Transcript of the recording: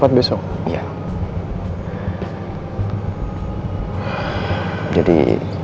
nanti di rumah sakit